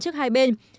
trước hai bên